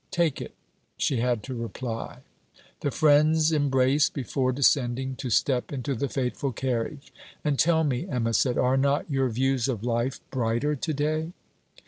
'Take it,' she had to reply. The friends embraced before descending to step into the fateful carriage. 'And tell me,' Emma said, 'are not your views of life brighter to day?'